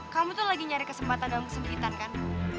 kamu tuh lagi nyari kesempatan gak mau kesempitan kan